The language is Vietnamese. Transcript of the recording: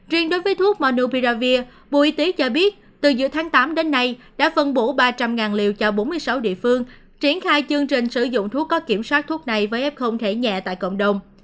riêng đối với thuốc monopiravir bộ y tế cho biết từ giữa tháng tám đến nay đã phân bổ ba trăm linh liều cho bốn mươi sáu địa phương triển khai chương trình sử dụng thuốc có kiểm soát thuốc này với f thể nhẹ tại cộng đồng